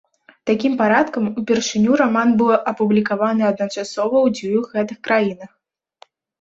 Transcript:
Такім парадкам, упершыню раман быў апублікаваны адначасова ў дзвюх гэтых краінах.